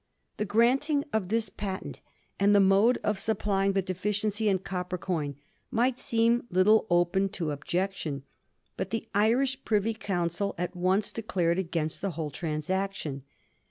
The granting of this patent, and the mode of suppljdng the deficiency in copper coin, might seem little open to objection ; but the Irish Privy Council at once declared against the whole transaction.